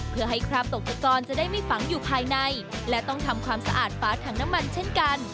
เพื่อให้คราบตกตะกอนจะได้ไม่ฝังอยู่ภายในและต้องทำความสะอาดฝาถังน้ำมันเช่นกัน